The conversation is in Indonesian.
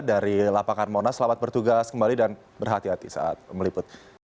dari lapangan monas selamat bertugas kembali dan berhati hati saat meliput